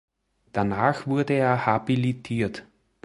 Danach wurde er habilitiert.